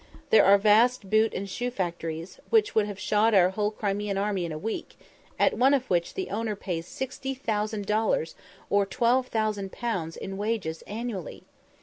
There are vast boot and shoe factories, which would have shod our whole Crimean army in a week, at one of which the owner pays 60,000 dollars or 12,000_l._ in wages annually!